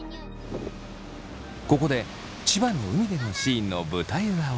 ここで千葉の海でのシーンの舞台裏を。